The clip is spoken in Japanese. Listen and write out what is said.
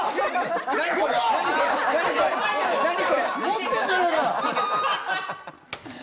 持ってんじゃねえかよ！